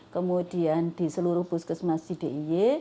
kemudian di seluruh puskesmas cdiy